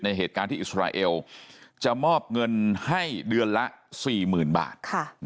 เหตุการณ์ที่อิสราเอลจะมอบเงินให้เดือนละ๔๐๐๐บาท